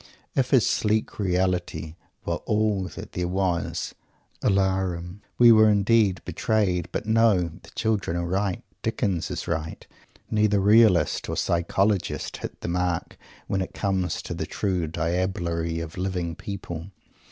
If his sleek "reality" were all that there was "alarum!" We were indeed "betrayed"! But no; the children are right. Dickens is right. Neither "realist" or "psychologist" hits the mark, when it comes to the true diablerie of living people.